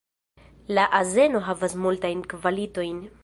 La azeno havas multajn kvalitojn.